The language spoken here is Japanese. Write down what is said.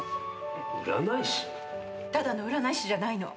ただの占い師じゃないの。